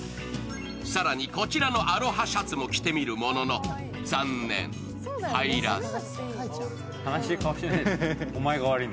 更にこちらのアロハシャツも着てみるものの、残念入らず。